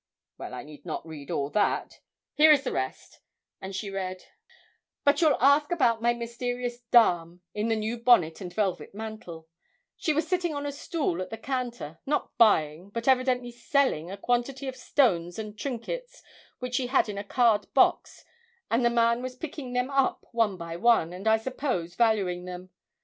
Well, I need not read all that here is the rest;' and she read '"But you'll ask about my mysterious dame in the new bonnet and velvet mantle; she was sitting on a stool at the counter, not buying, but evidently selling a quantity of stones and trinkets which she had in a card box, and the man was picking them up one by one, and, I suppose, valuing them.